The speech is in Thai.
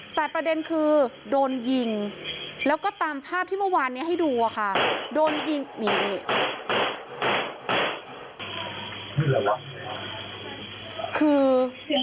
แต่ประเด็นคือโดนยิงแล้วก็ตามภาพที่เมื่อวานนี้ให้ดูค่ะโดนยิงนี่นี่